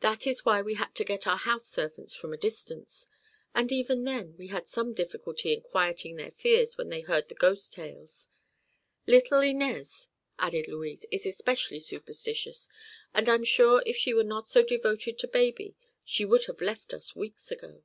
That is why we had to get our house servants from a distance, and even then we had some difficulty in quieting their fears when they heard the ghost tales. Little Inez," added Louise, "is especially superstitious, and I'm sure if she were not so devoted to baby she would have left us weeks ago."